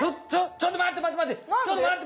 ちょっとまってまってまって！